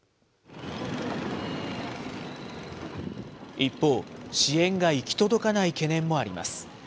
一方、支援が行き届かない懸念もあります。